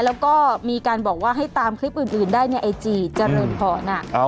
แล้วก็มีการบอกว่าให้ตามคลิปอื่นได้ในไอจีเจริญพร